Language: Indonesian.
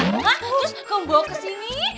terus kamu bawa kesini